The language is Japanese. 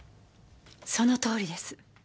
そのとおりです。